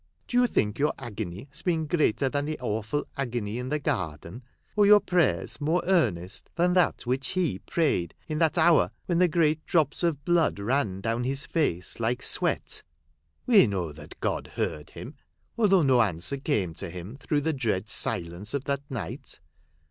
Do you think your agony has been greater than the awful agony in the Garden — or your prayers more earnest than that which He prayed in that hour when the great drops of blood ran down his face like sweat 1 We know that God heard Him, although no answer came to Him through the dread silence of that night.